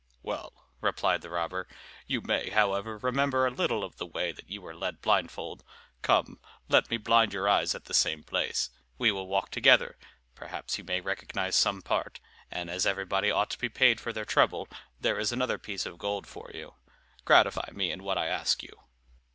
"Well," replied the robber, "you may, however, remember a little of the way that you were led blindfold. Come, let me blind your eyes at the same place. We will walk together; perhaps you may recognize some part; and as everybody ought to be paid for their trouble, there is another piece of gold for you; gratify me in what I ask you."